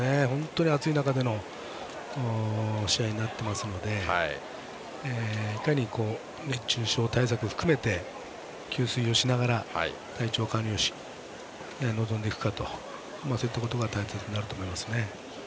本当に暑い中での試合になっていますのでいかに熱中症対策を含めて給水をしながら体調管理をして臨んでいくかとそういったことが大切になると思います。